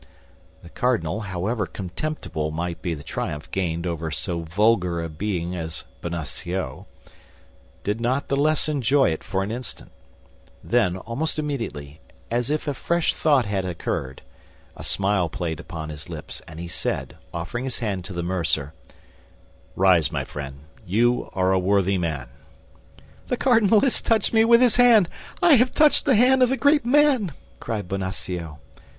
The cardinal, however contemptible might be the triumph gained over so vulgar a being as Bonacieux, did not the less enjoy it for an instant; then, almost immediately, as if a fresh thought has occurred, a smile played upon his lips, and he said, offering his hand to the mercer, "Rise, my friend, you are a worthy man." "The cardinal has touched me with his hand! I have touched the hand of the great man!" cried Bonacieux.